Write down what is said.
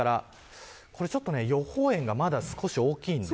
予報円がまだ少し大きいので